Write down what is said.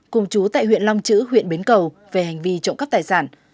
cùng chú tại huyện long chữ huyện bến cầu về hành vi trộm cắp tài sản